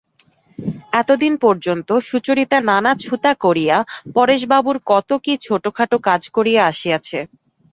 এতদিন পর্যন্ত সুচরিতা নানা ছুতা করিয়া পরেশবাবুর কত-কী ছোটোখাটো কাজ করিয়া আসিয়াছে।